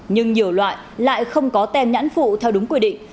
nhưng nhiều loại lại không có tem nhãn phụ theo đúng quy định